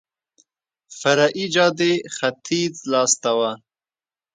فرعي جادې ختیځ لاس ته وه.